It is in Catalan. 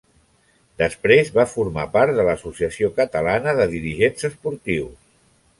Després va formar part de l’Associació Catalana de Dirigents Esportius.